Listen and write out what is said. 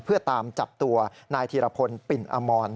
เพื่อตามจับตัวนายธีรพลปิ่นอมร